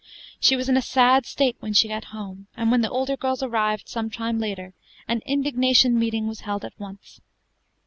She was in a sad state when she got home; and when the older girls arrived, some time later, an indignation meeting was held at once.